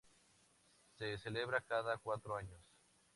Se celebra cada cuatro años.